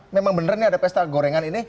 memang bener nih ada pesta gorengan ini